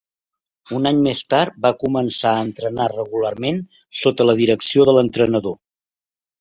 Un any més tard va començar a entrenar regularment sota la direcció de l'entrenador.